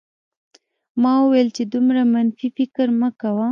ما وویل چې دومره منفي فکر مه کوه